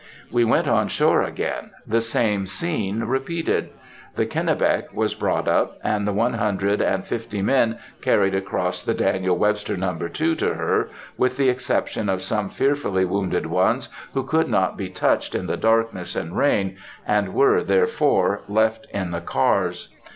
We went on shore again; the same scene repeated. The Kennebec was brought up, and the one hundred and fifty men carried across the Daniel Webster No. 2 to her, with the exception of some fearfully wounded ones who could not be touched in the darkness and rain, and were, therefore, left in the cars.